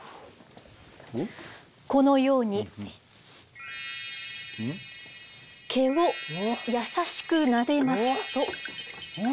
このように毛を優しくなでますと。